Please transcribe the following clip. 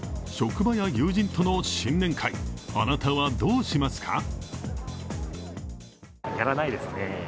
職場や友人との新年会、あなたはどうしますか？